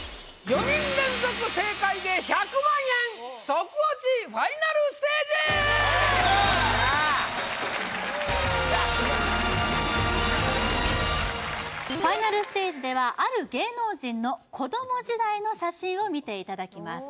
ソクオチファイナルステージファイナルステージではある芸能人の子ども時代の写真を見ていただきます